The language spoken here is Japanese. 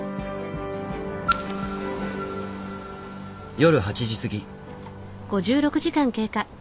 夜８時過ぎ。